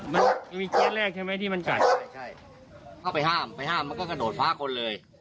มันจะมีเคสแรกใช่ไหมที่มันกัดไม่ใช่เข้าไปห้ามไปห้ามมันก็กระโดดฟ้าคนเลย